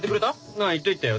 ああ言っといたよ。